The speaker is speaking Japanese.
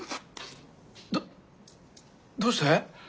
どどうして？